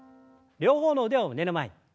両方の腕を胸の前に。